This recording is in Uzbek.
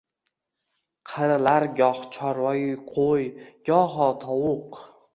Qirilar goh chorvayu qoʼy, goho tovuq.